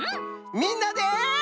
みんなで。